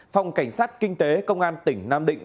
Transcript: phòng cảnh sát kinh tế công an tỉnh nam định